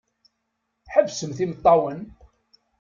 Ḥebsemt imeṭṭawen!